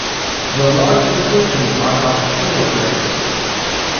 The large inclusions are called phenocrysts.